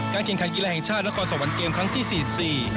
แข่งขันกีฬาแห่งชาตินครสวรรค์เกมครั้งที่สี่สิบสี่